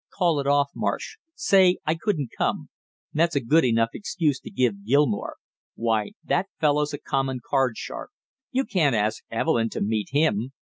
"Call it off, Marsh; say I couldn't come; that's a good enough excuse to give Gilmore. Why, that fellow's a common card sharp, you can't ask Evelyn to meet him!"